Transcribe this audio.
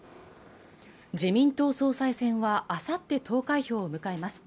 自民党総裁選はあさって投開票を迎えます